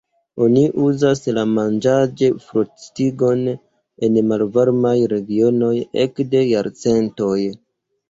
Oni uzas la manĝaĵ-frostigon en malvarmaj regionoj ekde jarcentoj.